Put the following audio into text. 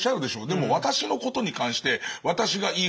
でも私のことに関して私が言いはる。